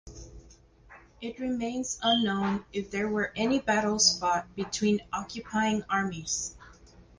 It remains unknown if there were any battles fought between occupying armies.